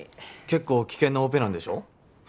結構危険なオペなんでしょ？